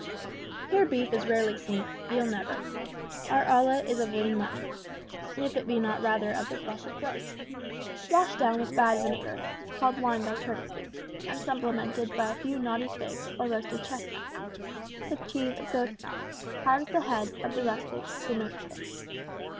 Here beef is rarely seen, veal never. Our olla is of lean mutton (if it be not rather of the flesh of goats), washed down with bad vinegar, called wine by courtesy, and supplemented by a few naughty figs or roasted chestnuts, with cheese of goat's milk, hard as the heads of the rustics who make it.